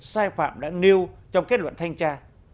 sai phạm đã nêu trong kết luận thanh tra